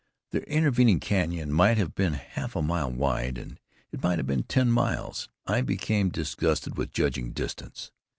The intervening canyon might have been a half mile wide, and it might have been ten miles. I had become disgusted with judging distance.